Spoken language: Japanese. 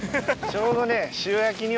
ちょうどね。